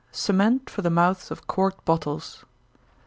_Cement for the Mouths of Corked Bottles.